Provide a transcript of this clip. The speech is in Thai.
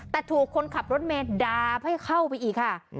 แต่ถูกคนขับรถเมย์ดาบให้เข้าไปอีกค่ะ